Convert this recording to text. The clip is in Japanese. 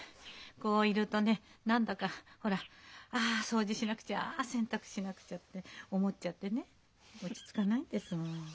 こういるとね何だかほら「ああ掃除しなくちゃああ洗濯しなくちゃ」って思っちゃってね落ち着かないんですもの。